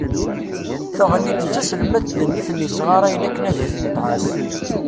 Teɣli-d taselmadt-nni i ten-yesɣarayen akken ad ten-tɛas.